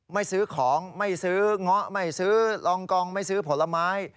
ไม่ซื้อของไม่ซื้อเงาะไม่ซื้อลองกองไม่ซื้อผลไม้